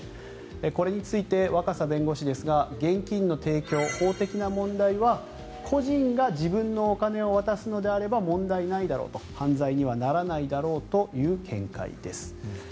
これについて若狭弁護士ですが現金の提供法的な問題は、個人が自分のお金を渡すのであれば問題ないだろうと犯罪にはならないだろうという見解です。